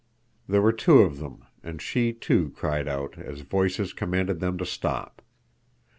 There were two of them, and she, too, cried out as voices commanded them to stop.